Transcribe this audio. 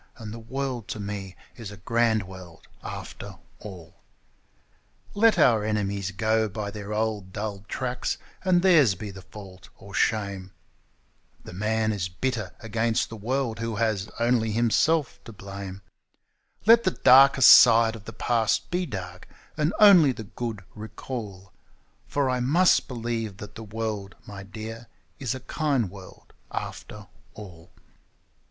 and the world to me is a grand world after all! Let our enemies go by their old dull tracks, and theirs be the fault or shame (The man is bitter against the world who has only himself to blame); Let the darkest side of the past be dark, and only the good recall; For I must believe that the world, my dear, is a kind world after all.